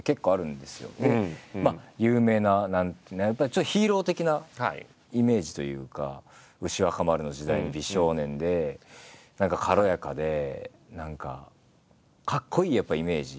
まあ有名なやっぱりちょっとヒーロー的なイメージというか牛若丸の時代の美少年で何か軽やかで何かかっこいいやっぱイメージ。